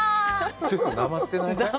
ちょっとなまってない？